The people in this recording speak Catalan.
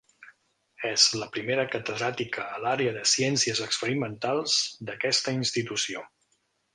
És la primera catedràtica a l'àrea de Ciències Experimentals d'aquesta institució.